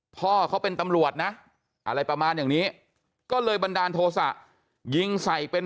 พ่อเขาเป็นตำรวจนะอะไรประมาณอย่างนี้ก็เลยบันดาลโทษะยิงใส่เป็น